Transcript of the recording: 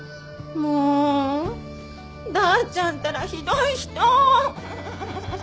もうダーちゃんたらひどい人！んんん！